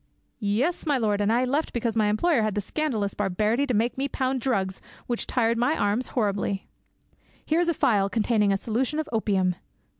"Yes, my lord, and I left because my employer had the scandalous barbarity to make me pound drugs, which tired my arms horribly." "Here is a phial containing a solution of opium."